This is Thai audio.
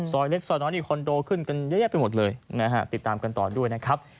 ซอยเล็กซอยน้อยนี่คอนโดขึ้นกันเยอะแยะไปหมดเลยนะฮะติดตามกันต่อด้วยนะครับ